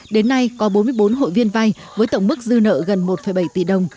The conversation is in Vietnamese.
đến nay có bốn mươi bốn hội viên vay với tổng mức dư nợ gần một bảy tỷ đồng